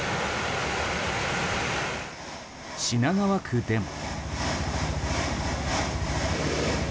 品川区でも。